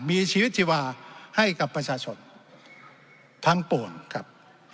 มีชีวิตชีวาให้กับประชาชนทั้งปวงครับ